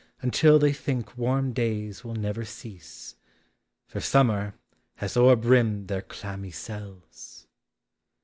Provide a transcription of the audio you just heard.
Until the}' think warm days will never cease. For summer has oVr brimme.l their clammy cells.